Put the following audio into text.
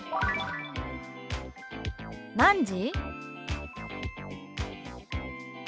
「何時？」。